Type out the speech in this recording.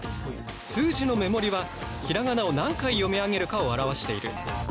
数字の目盛はひらがなを何回読み上げるかを表している。